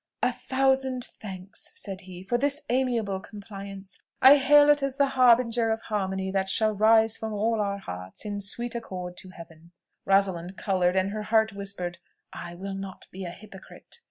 "A thousand thanks," said he, "for this amiable compliance! I hail it as the harbinger of harmony that shall rise from all our hearts in sweet accord to heaven." Rosalind coloured, and her heart whispered, "I will not be a hypocrite."